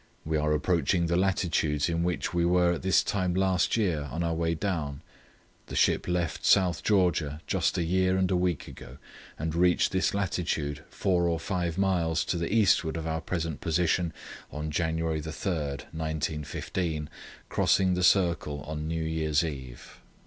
We are approaching the latitudes in which we were at this time last year, on our way down. The ship left South Georgia just a year and a week ago, and reached this latitude four or five miles to the eastward of our present position on January 3, 1915, crossing the circle on New Year's Eve."